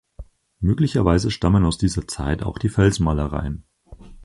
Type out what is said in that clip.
Möglicherweise stammen aus dieser Zeit auch die Felsmalereien.